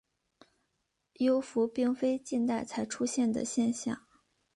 幽浮并非近代才出现的现象。